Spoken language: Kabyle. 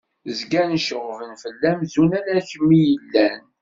Zgan ceɣben fell-am zun ala kemm i yellan!